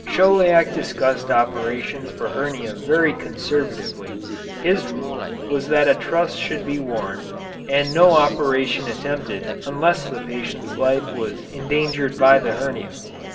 Chauliac discussed operations for hernia very conservatively. His rule was that a truss should be worn, and no operation attempted unless the patient's life was endangered by the hernia.